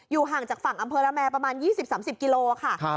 ห่างจากฝั่งอำเภอระแมประมาณ๒๐๓๐กิโลค่ะ